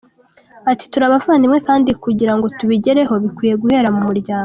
Ati “Turi abavandimwe kandi kugira ngo tubigereho bikwiye guhera mu muryango.